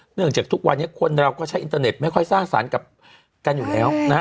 หลังจากทุกวันนี้คนเราก็ใช้อินเทอร์เน็ตไม่ค่อยสร้างสรรค์กับกันอยู่แล้วนะฮะ